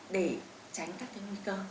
để tránh các nguy cơ